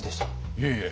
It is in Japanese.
いえいえ。